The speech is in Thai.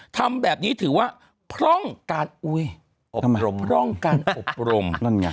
ทำแบบนี้ถือว่าพร่องการอบรม